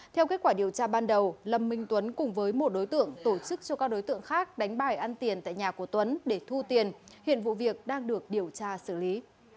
theo kết quả điều tra ban đầu lâm minh tuấn cùng với một đối tượng tổ chức cho các đối tượng khác đánh bài ăn tiền tại nhà của tuấn để thu tiền hiện vụ việc đang được điều tra xử lý